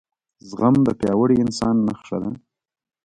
زغم دپیاوړي انسان نښه ده